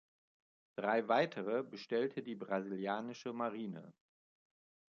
Drei weitere bestellte die brasilianische Marine.